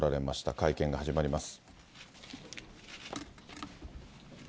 会見が始まります。